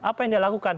apa yang dia lakukan